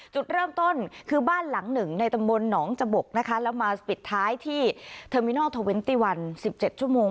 จุดเริ่มต้นคือบ้านหลังหนึ่งในตำบลหนองจบกนะคะแล้วมาปิดท้ายที่เทอร์มินอลเทอร์เวนตี้วัน๑๗ชั่วโมง